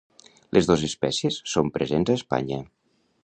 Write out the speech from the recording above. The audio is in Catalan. Les dos espècies són presents a Espanya.